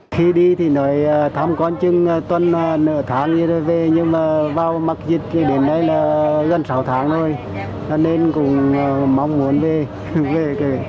khi đi thì nói thăm con chung tuần nửa tháng rồi về nhưng mà vào mặc dịch đến đây là gần sáu tháng rồi nên cũng mong muốn về